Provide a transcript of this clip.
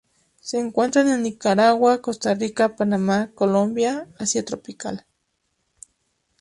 Se encuentran en Nicaragua, Costa Rica, Panamá, Colombia, Asia tropical.